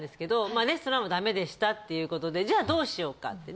まあレストランは駄目でしたっていう事でじゃあどうしようかって。